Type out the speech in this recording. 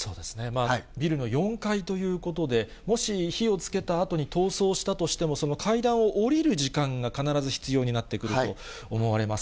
ビルの４階ということで、もし火をつけたあとに逃走したとしても、階段を下りる時間が必ず必要になってくると思われます。